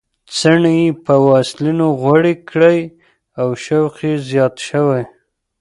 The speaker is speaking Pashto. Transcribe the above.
څڼې یې په واسلینو غوړې کړې او شوق یې زیات شوی.